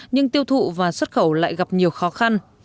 nhưng tiêu thụ và xuất khẩu lại gặp nhiều khó khăn